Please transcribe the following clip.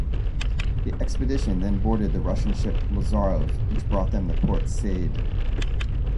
The expedition then boarded the Russian ship "Lazarev" which brought them to Port Said.